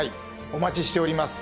お待ちしております。